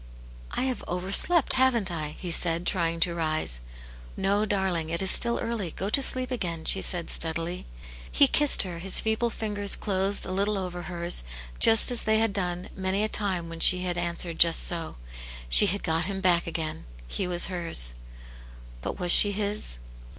" I have overslept, haven't I ?" he said, trying to rise. '* No, darling ; it Is still early, go to sleep again," she said, steadily. He kissed her, his feeble fingers closed a little over hers, just as they had done many a time when she had answered just so ; she had got him back again ; he was hers. But was she his